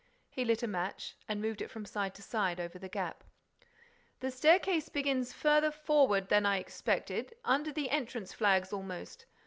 He lit a match and moved it from side to side over the gap: "The staircase begins farther forward than I expected, under the entrance flags, almost.